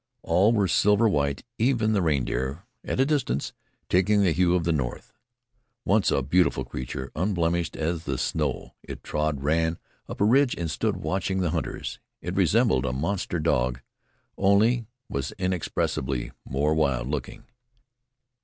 All were silver white, even the reindeer, at a distance, taking the hue of the north. Once a beautiful creature, unblemished as the snow it trod, ran up a ridge and stood watching the hunters. It resembled a monster dog, only it was inexpressibly more wild looking.